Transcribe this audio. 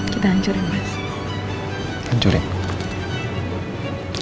kita hancurin mas